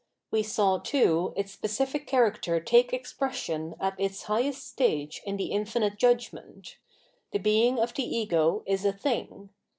We saw, too, its specific character take expression at its highest stage in the infinite judgment :" the being of the ego is a thing."